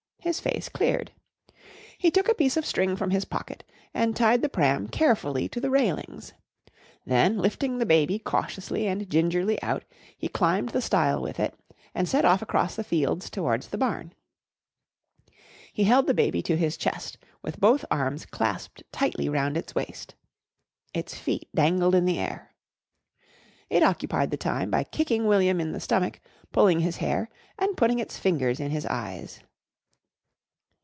His face cleared. He took a piece of string from his pocket and tied the pram carefully to the railings. Then, lifting the baby cautiously and gingerly out, he climbed the stile with it and set off across the fields towards the barn. He held the baby to his chest with both arms clasped tightly round its waist. Its feet dangled in the air. It occupied the time by kicking William in the stomach, pulling his hair, and putting its fingers in his eyes.